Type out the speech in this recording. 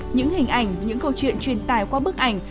những hình ảnh những câu chuyện truyền tài qua bức ảnh